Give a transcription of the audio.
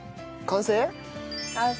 完成？